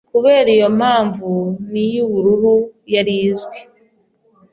Kubera iyo mpamvuNili yubururu yari izwi